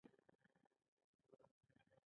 په بګۍ کې د لوکارنو په لور رهي شوو.